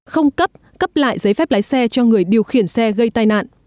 không cấp cấp lại giấy phép lái xe cho người điều khiển xe gây tai nạn